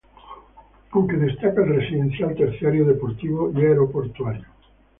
Aunque destaca el residencial, terciario, deportivo y aeroportuario.